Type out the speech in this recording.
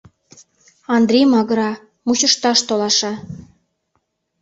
Андри магыра, мучышташ толаша.